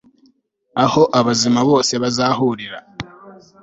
aho abazima bose bazahurira